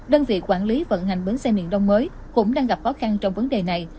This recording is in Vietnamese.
đơn vị quản lý vận hành bến xe miền đông mới cũng đang gặp khó khăn trong vấn đề này